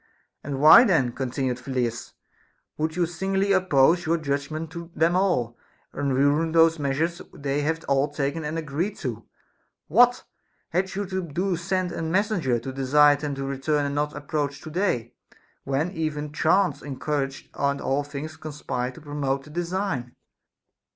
And why then, continued Phyllidas, would you singly oppose your judgment to them all, and ruin those measures they have all taken and agreed to \ What had you to do to send a messenger to desire them to return and not approach to day, when even chance encouraged and all things conspired to promote the design